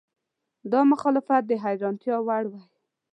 دا مخالفت د حیرانتیا وړ وای.